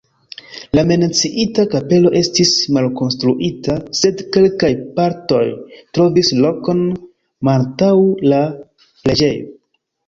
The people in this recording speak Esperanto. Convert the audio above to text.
La menciita kapelo estis malkonstruita, sed kelkaj partoj trovis lokon malantaŭ la preĝejo.